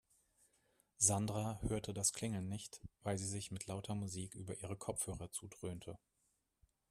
Sandra hörte das Klingeln nicht, weil sie sich mit lauter Musik über ihre Kopfhörer zudröhnte.